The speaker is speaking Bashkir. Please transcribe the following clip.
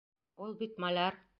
Ул бит маляр.